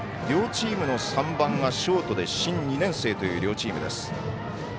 両チームの３番はショートで新２年生という両チームです。